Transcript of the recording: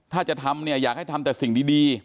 ถ้าจะทำเนี่ยอยากให้ทำแต่สิ่งดี